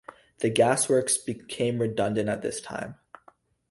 The gas works became redundant at this time.